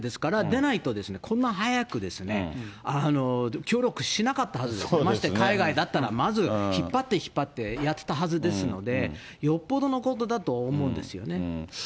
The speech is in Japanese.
でないと、こんな早く協力しなかったはずですよ、まして海外だったら、まず、引っ張って、引っ張ってやってたはずですので、よっぽどのことだと思うんですよね。